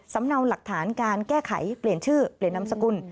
เนาหลักฐานการแก้ไขเปลี่ยนชื่อเปลี่ยนนามสกุล